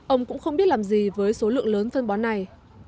ông cũng không biết làm gì với số lượng lớn phân bón này